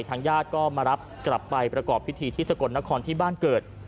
ทางญาติก็มารับกลับไปประกอบพิธีที่สกลนครที่บ้านเกิด